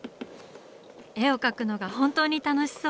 絵を描くのが本当に楽しそう。